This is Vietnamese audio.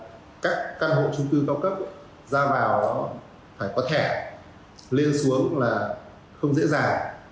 vì các căn hộ trung cư cao cấp ra vào có thẻ lên xuống không dễ dàng